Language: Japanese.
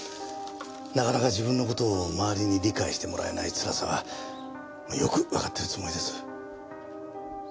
なかなか自分の事を周りに理解してもらえないつらさはよくわかってるつもりです。